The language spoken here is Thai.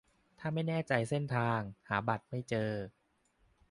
ถ้าไม่แน่ใจเส้นทาง หาบัตรไม่เจอ